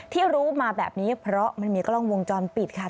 ที่รู้มาแบบนี้เพราะมันมีกล้องวงจรปิดค่ะ